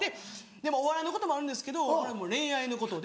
お笑いのこともあるんですけど恋愛のことで。